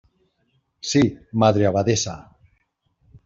sí, Madre Abadesa.